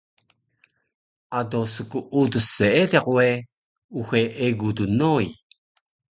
Ado skuudus seediq we uxe egu dnoi